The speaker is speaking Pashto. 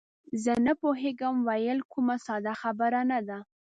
زه نه پوهېږم ویل، کومه ساده خبره نه ده.